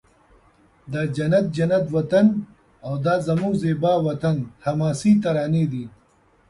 دا جنت جنت وطن او دا زموږ زیبا وطن حماسې ترانې دي